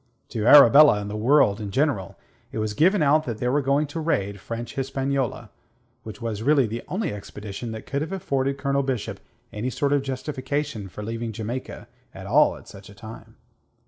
To Arabella and the world in general it was given out that they were going to raid French Hispaniola, which was really the only expedition that could have afforded Colonel Bishop any sort of justification for leaving Jamaica at all at such a time.